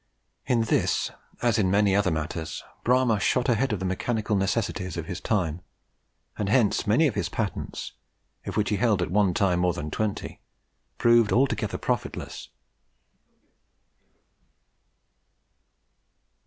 In this, as in many other matters, Bramah shot ahead of the mechanical necessities of his time; and hence many of his patents (of which he held at one time more than twenty) proved altogether profitless.